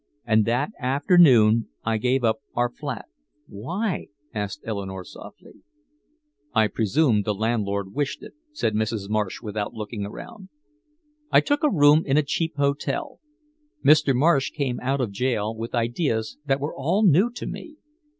And that afternoon I gave up our flat." "Why?" asked Eleanore softly. "I presumed the landlord wished it," said Mrs. Marsh without looking around. "I took a room in a cheap hotel. Mr. Marsh came out of jail with ideas that were all new to me.